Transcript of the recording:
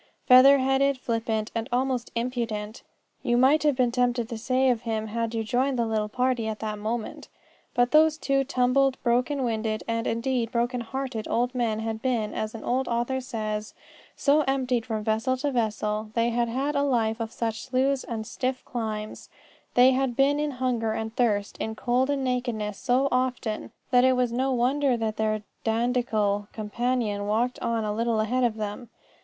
Feather headed, flippant, and almost impudent, you might have been tempted to say of him had you joined the little party at that moment. But those two tumbled, broken winded, and, indeed, broken hearted old men had been, as an old author says, so emptied from vessel to vessel they had had a life of such sloughs and stiff climbs they had been in hunger and thirst, in cold and nakedness so often that it was no wonder that their dandiacal companion walked on a little ahead of them.